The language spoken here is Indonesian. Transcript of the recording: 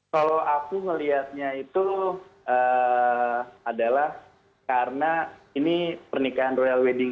kalau aku melihatnya itu adalah karena ini pernikahan royal wedding